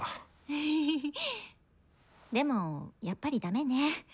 でもやっぱりダメねぇ。